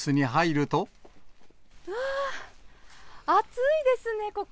うわー、暑いですね、ここ。